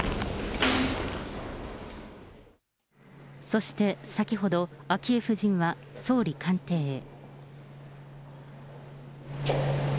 そして、先ほど、昭恵夫人は総理官邸へ。